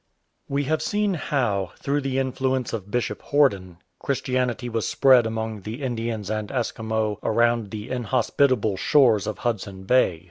WE have seen how, through the influence of Bishop Ilorden, Christianity was spread among the Indians and Eskimo around the inhospitable shores of Hudson Bay.